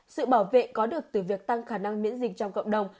sự bảo vệ có được từ việc tăng khả năng miễn dịch trong cộng đồng